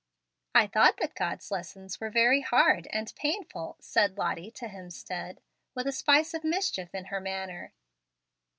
"I thought that God's lessons were very hard and painful," said Lottie to Hemstead, with a spice of mischief in her manner.